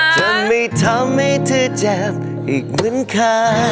ทำให้เธอเจ็บอีกเหมือนค่ะ